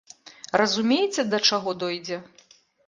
Разумееце да чаго дойдзе?!